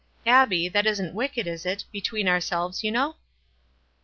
Abbie, that isn't wicked, is it — between ourselves, you know?"